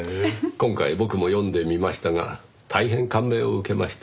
今回僕も読んでみましたが大変感銘を受けました。